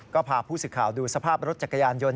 ก็พาผู้สื่อข่าวดูสภาพรถจักรยานยนต